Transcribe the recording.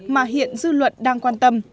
mà hiện dư luận đang quan tâm